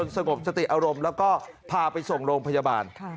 สงบสติอารมณ์แล้วก็พาไปส่งโรงพยาบาล